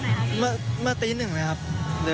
ค้นทางมาจากวันไหนครับที่นี้ครับเมื่อกี๊โน่งครับ